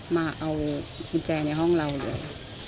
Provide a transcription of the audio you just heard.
มาเอาบุรุฑาในห้องเราเลย